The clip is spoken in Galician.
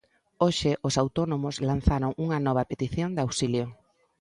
Hoxe os autónomos lanzaron unha nova petición de auxilio.